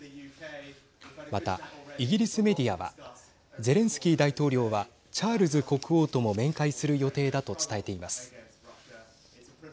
また、イギリスメディアはゼレンスキー大統領はチャールズ国王とも面会する予定だと伝えています。